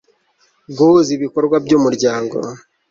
guhuza ibikorwa by umuryango